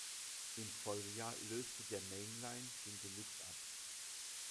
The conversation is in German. Im Folgejahr löste der Mainline den Deluxe ab.